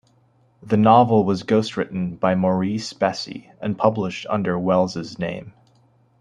The novel was ghostwritten by Maurice Bessy and published under Welles's name.